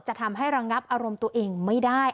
จะทำให้ระงับอารมณ์ตัวเองไม่ได้